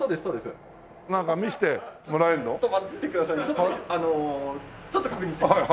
ちょっとあのちょっと確認してきます。